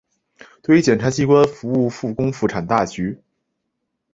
对于检察机关服务复工复产大局